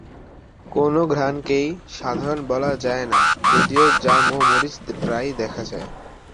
কোন ঘ্রাণকেই "সাধারণ" বলা যায় না যদিও জাম ও মরিচ প্রায়ই দেখা যায়।